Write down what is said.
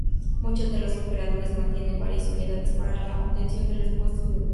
Muchos de los operadores mantienen varias unidades para la obtención de repuestos desde estas.